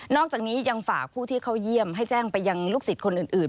อกจากนี้ยังฝากผู้ที่เข้าเยี่ยมให้แจ้งไปยังลูกศิษย์คนอื่น